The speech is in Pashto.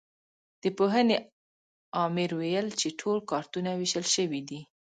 د پوهنې امر ویل چې ټول کارتونه وېشل شوي دي.